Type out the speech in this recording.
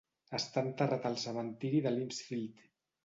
Està enterrat al cementiri de Limpsfield.